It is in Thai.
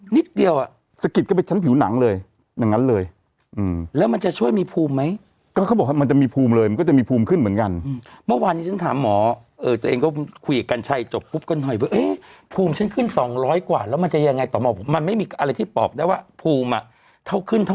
นิดเดียวอ่ะสะกิดกันไปชั้นผิวหนังเลยอย่างนั้นเลยแล้วมันจะช่วยมีภูมิไหมก็เขาบอกว่ามันจะมีภูมิเลยมันก็จะมีภูมิขึ้นเหมือนกันเมื่อวานนี้ฉันถามหมอเออตัวเองก็คุยกับกัญชัยจบปุ๊บกันหน่อยว่าเอ๊ะภูมิฉันขึ้นสองร้อยกว่าแล้วมันจะยังไงต่อหมอผมมันไม่มีอะไรที่ปอกได้ว่าภูมิอ่ะเท่าขึ้นท